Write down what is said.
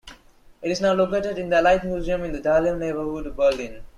It is now located in the Allied Museum in the Dahlem neighborhood of Berlin.